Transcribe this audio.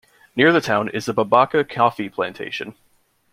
Near the town is the Bebeka coffee plantation.